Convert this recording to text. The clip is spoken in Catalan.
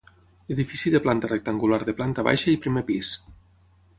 Edifici de planta rectangular de planta baixa i primer pis.